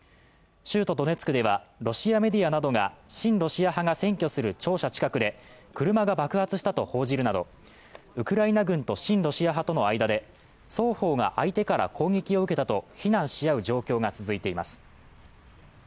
州都ドネツクではロシアメディアなどが親ロシア派が占拠する庁舎近くで車が爆発したと報じるなどウクライナ軍と親ロシア派との間で双方が相手から攻撃を受けたと非難し合う状況が続いています。